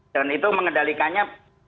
dan itu mengendalikannya